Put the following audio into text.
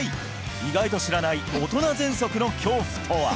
意外と知らない大人喘息の恐怖とは！？